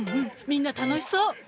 みんな楽しそう！